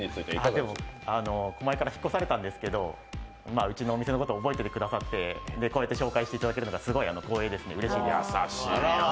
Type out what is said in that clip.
でも、前から引っ越されたんですけど、うちのお店のこと覚えててくださってこうやって紹介していただけるというのはすごい光栄ですね。